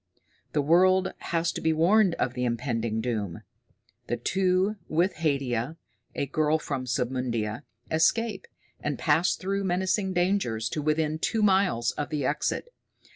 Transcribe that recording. The world has to be warned of the impending doom. The two, with Haidia, a girl of Submundia, escape, and pass through menacing dangers to within two miles of the exit.